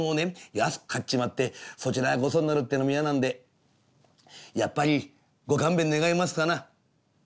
安く買っちまってそちらがご損なるってのも嫌なんでやっぱりご勘弁願えますかな」。